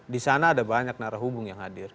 di sana ada banyak narah hubung yang hadir